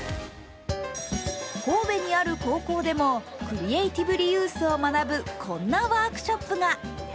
神戸にある高校でもクリエイティブリユースを学ぶこんなワークショップが。